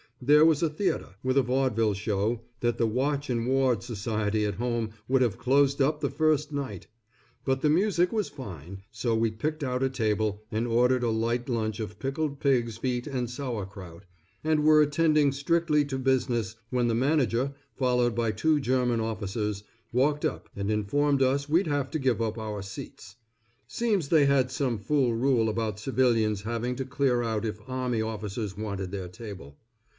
There was a theatre, with a vaudeville show that the Watch and Ward Society at home would have closed up the first night. But the music was fine, so we picked out a table and ordered a light lunch of pickled pigs feet and sauerkraut, and were attending strictly to business when the manager, followed by two German army officers, walked up, and informed us we'd have to give up our seats. Seems they had some fool rule about civilians having to clear out if army officers wanted their table.